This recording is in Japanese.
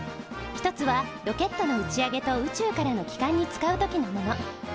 一つはロケットの打ち上げと宇宙からの帰還に使う時のもの。